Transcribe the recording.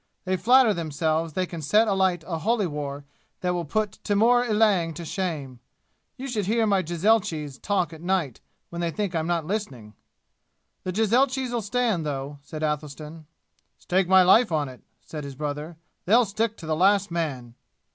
They flatter themselves they can set alight a holy war that will put Timour Ilang to shame. You should hear my jezailchies talk at night when they think I'm not listening!" "The jezailchies'll stand though," said Athelstan. "Stake my life on it!" said his brother. "They'll stick to the last man!"